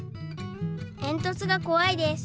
えんとつがこわいです。